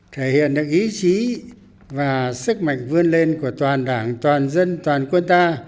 thể hiện được ý chí và sức mạnh vươn lên của toàn đảng toàn dân toàn quân ta